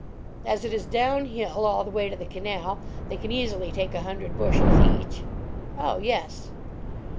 "As it is down hill all the way to the canal, they can easily take a hundred bushels each." "Oh, yes."